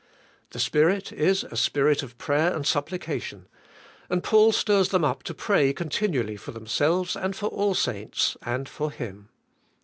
The Spirit is a Spirit of prayer and supplication, and Paul stirs them up to pray continually for themselves and for all saints, and for him.